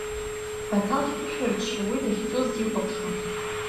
Баҭал дԥышәырччо уи дахьцоз дихәаԥшуан.